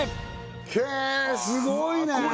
へえすごいね！